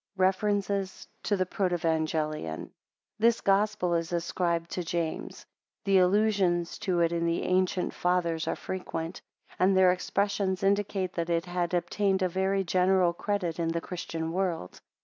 REFERENCES TO THE PROTEVANGELION. [This Gospel is ascribed to James. The allusions to it in the ancient Fathers are frequent, and their expressions indicate that it had obtained a very general credit in the Christian world.